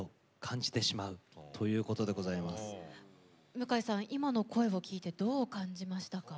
向井さん、今の声を聴いてどう感じましたか？